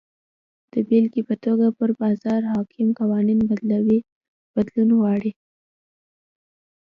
د بېلګې په توګه پر بازار حاکم قوانین بدلون غواړي.